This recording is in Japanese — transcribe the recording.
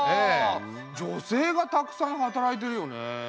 女性がたくさん働いてるよね。